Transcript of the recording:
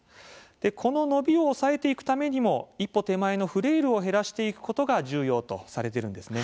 この伸びを抑えていくためにも一歩手前のフレイルを減らしていくことが重要とされています。